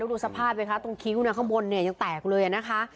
แล้วดูสภาพไหมคะตรงคิ้วข้างบนยังแตกเลยนะคะ